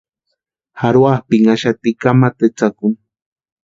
Jarhuapʼinhaxati kamata etsakuni.